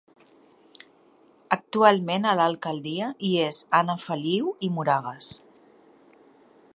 Actualment a l'alcaldia hi és Anna Feliu i Moragues.